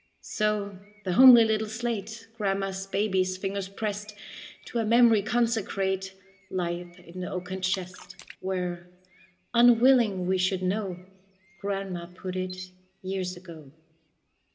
So the homely little slate Grandma's baby's fingers pressed, To a memory consecrate, Lieth in the oaken chest, Where, unwilling we should know, Grandma put it, years ago.